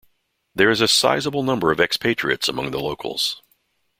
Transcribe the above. There is a sizeable number of expatriates among the locals.